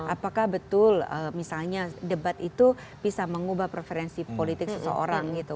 apakah betul misalnya debat itu bisa mengubah preferensi politik seseorang gitu